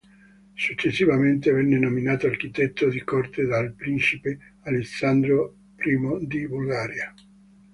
Successivamente venne nominato architetto di corte dal Principe Alessandro I di Bulgaria.